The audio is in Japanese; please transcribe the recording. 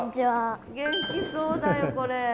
元気そうだよこれ。